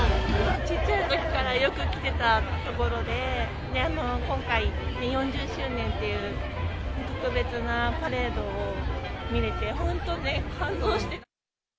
ちっちゃいときから、よく来てた所で、今回、４０周年っていう特別なパレードを見れて、本当ね、感動して。